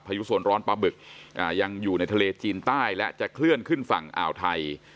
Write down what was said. ยุส่วนร้อนปลาบึกยังอยู่ในทะเลจีนใต้และจะเคลื่อนขึ้นฝั่งอ่าวไทย